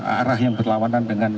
arah yang berlawanan dengan